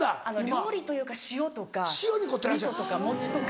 料理というか塩とかみそとか餅とか。